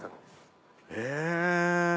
え。